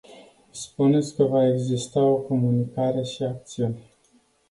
Spuneți că va exista o comunicare și acțiuni.